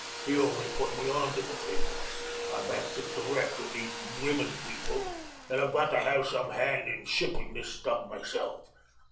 He only put me on to the thing. I'm acting direct with these women people, and I've got to have some hand in shipping this stuff myself.